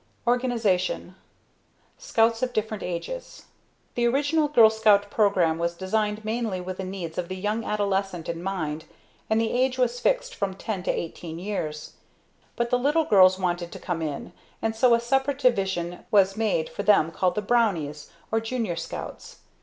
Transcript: Organization Scouts of Different Ages. The original Girl Scout program was designed mainly with the needs of the young adolescent in mind and the age was fixed from 10 to 18 years. But the little girls wanted to come in and so a separate division was made for them called the Brownies or Junior Scouts.